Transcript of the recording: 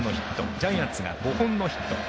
ジャイアンツが５本のヒット。